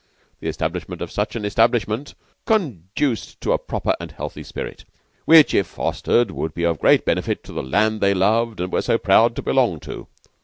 The establishment of such an establishment conduced to a proper and healthy spirit, which, if fostered, would be of great benefit to the land they loved and were so proud to belong to.